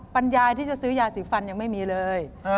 ปัญญาที่จะซื้อยาสีฟันยังไม่มีเลย